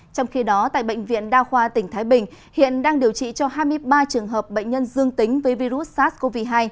trong khi đó tại bệnh viện đa khoa tỉnh thái bình hiện đang điều trị cho hai mươi ba trường hợp bệnh nhân dương tính với virus sars cov hai